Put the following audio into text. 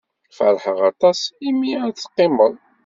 Feṛḥeɣ aṭas imi ad teqqimeḍ.